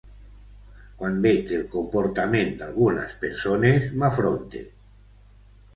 Quan veig el comportament d'algunes persones, m'afronte.